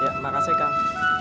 ya terima kasih kang